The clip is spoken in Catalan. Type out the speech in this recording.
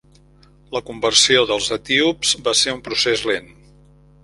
La conversió dels etíops va ser un procés lent.